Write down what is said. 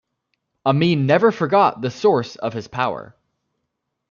Amin never forgot the source of his power.